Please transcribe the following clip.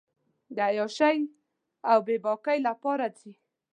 د عیاشۍ اوبېباکۍ لپاره ځي.